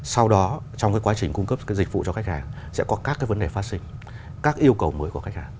sau đó trong quá trình cung cấp dịch vụ cho khách hàng sẽ có các vấn đề phát sinh